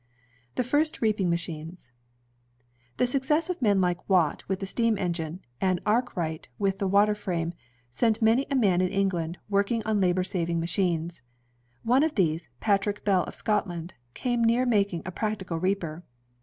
The First Reaping Machines The success of men like Watt with the steam engine, and Arkwright with the water frame, set many a man in England working on labor saving machines. One of these, Patrick Bell of Scotland, came near making a practical reaper.